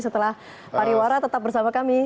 setelah pariwara tetap bersama kami